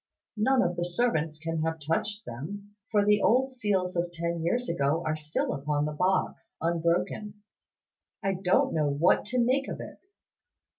None of the servants can have touched them, for the old seals of ten years ago are still upon the box, unbroken. I don't know what to make of it."